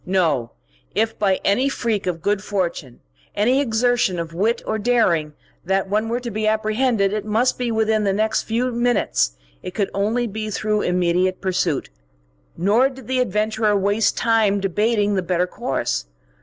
No; if by any freak of good fortune, any exertion of wit or daring, that one were to be apprehended, it must be within the next few minutes, it could only be through immediate pursuit. Nor did the adventurer waste time debating the better course.